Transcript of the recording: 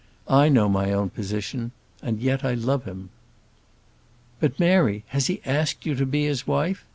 I know my own position; and yet I love him." "But, Mary, has he asked you to be his wife?